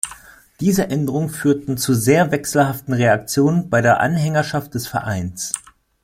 Diese Änderungen führten zu sehr wechselhaften Reaktionen bei der Anhängerschaft des Vereins.